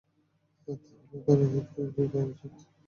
তাহলে তার রাজনীতিতে যোগ দেওয়া উচিত।